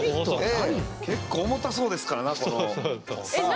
結構重たそうですからなこの角が。